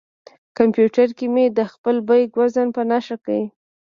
کمپیوټر کې مې د خپل بیک وزن په نښه کړ.